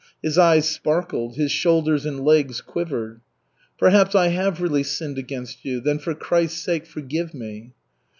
His eyes sparkled. His shoulders and legs quivered. "Perhaps I have really sinned against you, then for Christ's sake forgive me."